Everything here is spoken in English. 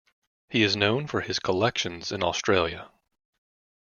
He is known for his collections in Australia.